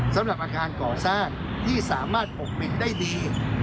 สำหรับอาคารก่อสร้างที่สามารถปกปิดได้ดี